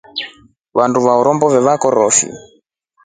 Wandu va Rombo waliwakurufo.